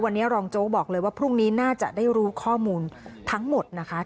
วันนี้รองโจ๊กบอกเลยว่าพรุ่งนี้น่าจะได้รู้ข้อมูลทั้งหมดนะคะ